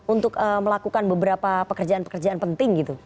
untuk melakukan beberapa pekerjaan pekerjaan penting gitu